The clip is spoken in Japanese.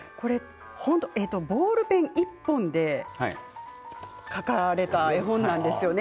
ボールペン１本で描かれた絵本なんですよね。